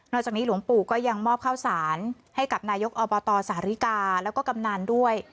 จากนี้หลวงปู่ก็ยังมอบข้าวสารให้กับนายกอบตสาริกาแล้วก็กำนันด้วย